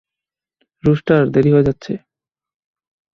Rooster, দেরি হয়ে যাচ্ছে!